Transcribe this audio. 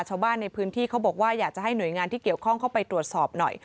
ชาวบ้านในพื้นที่เขาบอกว่าอยากจะให้หน่วยงานที่เกี่ยวข้องเข้าไปตรวจสอบหน่อย